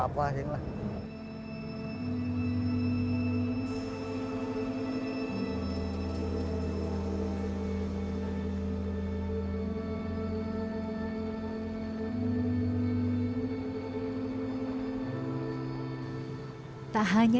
dia berada di kota kuala lumpur